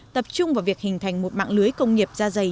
tập trung vào việc hình thành một mạng lưới công nghiệp da dày